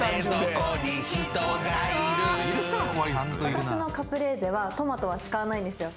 私のカプレーゼはトマトは使わないんですよ。